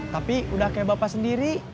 tapi udah kayak bapak sendiri